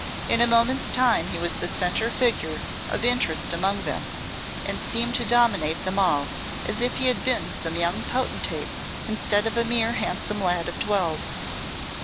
In a moment's time he was the centre figure of interest among them, and seemed to dominate them all as if he had been some young potentate instead of a mere handsome lad of twelve.